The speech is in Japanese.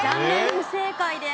不正解です。